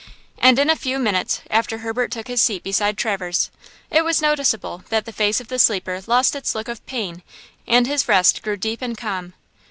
And in a few minutes after Herbert took his seat beside Traverse, it was noticeable that the face of the sleeper lost its look of pain, and his rest grew deep and calm.